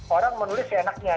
orang menulis seenaknya